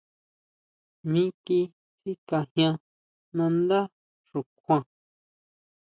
Miki sikajian nandá xukjuan.